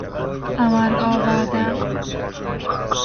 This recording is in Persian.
عمل آوردن